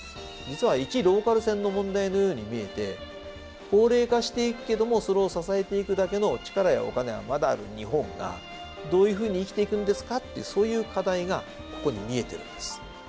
実はいちローカル線の問題のように見えて高齢化していくけどもそれを支えていくだけの力やお金はまだある日本がどういうふうに生きていくんですかっていうそういう課題がここに見えてるんです。